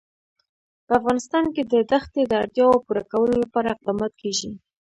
په افغانستان کې د دښتې د اړتیاوو پوره کولو لپاره اقدامات کېږي.